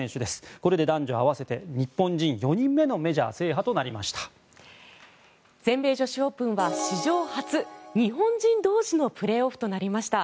これで男女合わせて日本人４人目の全米女子オープンは史上初、日本人同士のプレーオフとなりました。